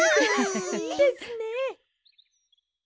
いいですね！